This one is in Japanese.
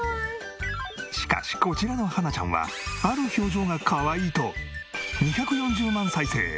しかしこちらの華ちゃんはある表情がかわいいと２４０万再生。